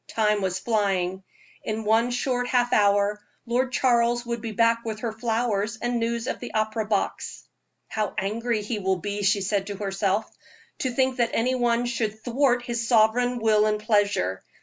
Time was flying. In one short half hour Lord Charles would be back with her flowers and news of the opera box. "How angry he will be," she said to herself, "to think that any one should thwart his sovereign will and pleasure.